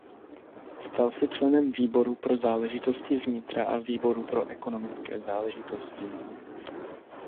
Stal se členem výboru pro záležitosti vnitra a výboru pro ekonomické záležitosti.